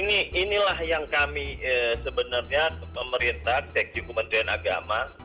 nah inilah yang kami sebenarnya pemerintah sejak juga kementerian agama